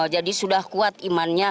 jadi sudah kuat imannya